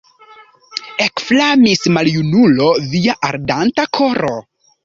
Ekflamis, maljunulo, via ardanta koro!